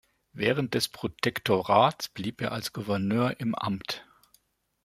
Während des Protektorats blieb er als Gouverneur im Amt.